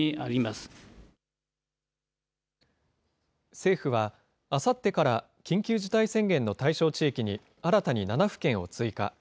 政府は、あさってから緊急事態宣言の対象地域に、新たに７府県を追加。